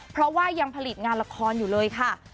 เพราะว่ายังผลิตงานละครอยู่เลยค่ะ